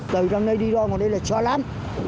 từ răng này đi ra còn đi lại xóa lắm